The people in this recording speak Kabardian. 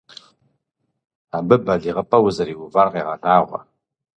Абы балигъыпӏэ узэриувар къегъэлъагъуэ.